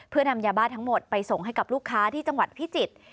เพื่อนำยาบ้าทั้งหมดไปส่งให้กับลูกค้าที่จังหวัดพิจิตร